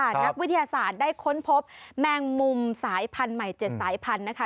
นักวิทยาศาสตร์ได้ค้นพบแมงมุมสายพันธุ์ใหม่๗สายพันธุ์นะคะ